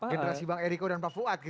generasi bang eriko dan pak fuad gitu ya